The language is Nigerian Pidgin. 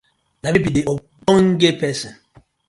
Na mi bi de ogbonge pesin.